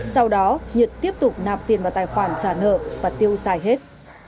sau đó nhật tiếp tục nạp tiền vào tài khoản trả nợ và tiêu xài hết